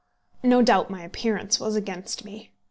No doubt my appearance was against me.